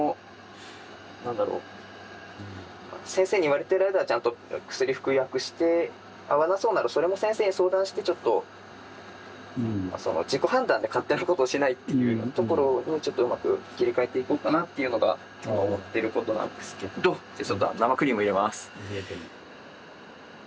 先生に言われてる間はちゃんと薬服薬して合わなそうならそれも先生に相談してちょっと自己判断で勝手なことをしないっていうところをちょっとうまく切り替えていこうかなっていうのが今思ってることなんですけどちょっと生クリーム入れます。